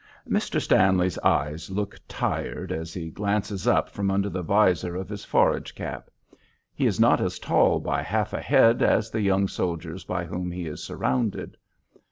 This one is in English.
'" Mr. Stanley's eyes look tired as he glances up from under the visor of his forage cap. He is not as tall by half a head as the young soldiers by whom he is surrounded.